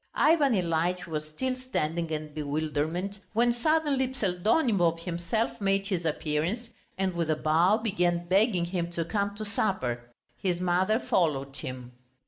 Ivan Ilyitch was still standing in bewilderment, when suddenly Pseldonimov himself made his appearance, and with a bow, began begging him to come to supper. His mother followed him.